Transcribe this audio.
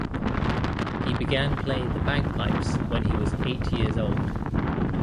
He began playing the bagpipes when he was eight years old.